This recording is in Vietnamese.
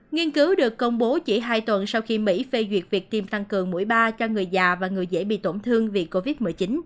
nghiên cứu được công bố chỉ hai tuần sau khi mỹ phê duyệt việc tiêm tăng cường mũi ba cho người già và người dễ bị tổn thương vì covid một mươi chín